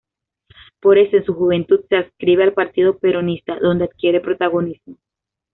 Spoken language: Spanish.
Por eso, en su juventud, se adscribe al Partido Peronista, donde adquiere protagonismo.